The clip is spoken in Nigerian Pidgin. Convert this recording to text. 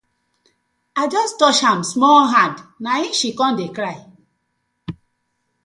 I just touch am small hand na im she com dey cry.